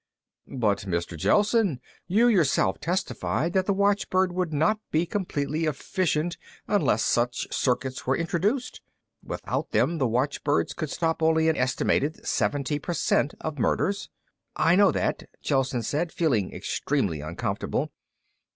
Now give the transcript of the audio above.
"But, Mr. Gelsen, you yourself testified that the watchbird would not be completely efficient unless such circuits were introduced. Without them, the watchbirds could stop only an estimated seventy per cent of murders." "I know that," Gelsen said, feeling extremely uncomfortable.